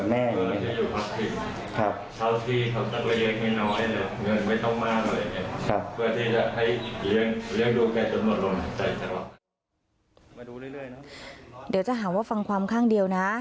เดี๋ยวจะหาว่าฟังความข้างเดียวนะ